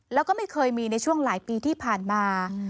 แล้วก็ไม่เคยมีในช่วงหลายปีที่ผ่านมา